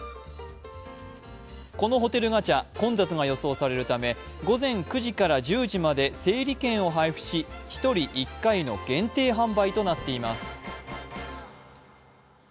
このホテルガチャ、混雑が予想されるため、午前９時から１０時まで整理券を配布し、１人１回の限定配布となっています。